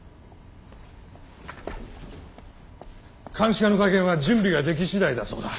監視課の会見は準備ができ次第だそうだ。